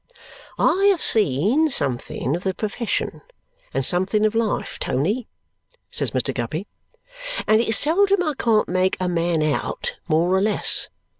"I have seen something of the profession and something of life, Tony," says Mr. Guppy, "and it's seldom I can't make a man out, more or less.